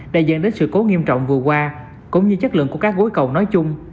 đã dẫn đến sự cố nghiêm trọng vừa qua cũng như chất lượng của các gối cầu nói chung